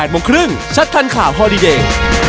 โมงครึ่งชัดทันข่าวพอดีเดย์